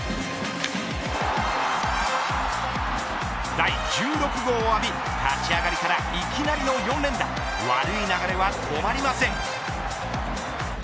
第１６号を浴び立ち上がりからいきなりの４連打悪い流れは止まりません。